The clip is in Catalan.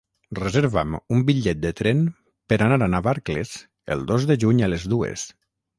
Reserva'm un bitllet de tren per anar a Navarcles el dos de juny a les dues.